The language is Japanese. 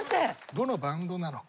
どのバンドなのか？